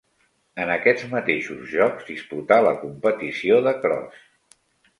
En aquests mateixos Jocs disputà la competició de cros.